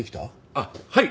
あっはい！